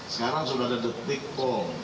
sekarang sudah ada detik call